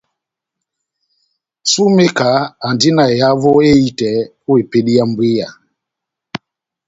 Sumeka andi na ehavo ehitɛ o epedi ya mbwiya.